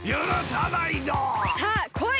さあこい！